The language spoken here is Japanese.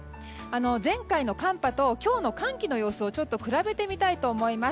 前回の寒波と今日の寒気の様子を比べてみたいと思います。